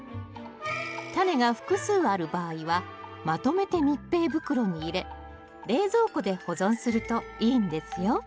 タネが複数ある場合はまとめて密閉袋に入れ冷蔵庫で保存するといいんですよ